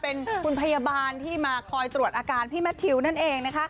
เป็นคุณพยาบาลที่มาคอยตรวจอาการพี่แมททิวนั่นเองนะคะ